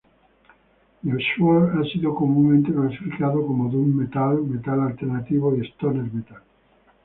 The Sword han sido comúnmente clasificados como doom metal, metal alternativo y stoner metal.